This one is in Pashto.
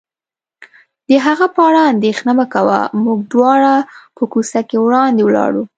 د هغه په اړه اندېښنه مه کوه، موږ دواړه په کوڅه کې وړاندې ولاړو.